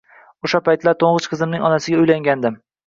O`sha paytlar to`ng`ich qizimning onasiga uylangandim